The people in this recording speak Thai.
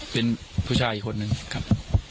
เป็นผู้ชายอีกคนนึงครับ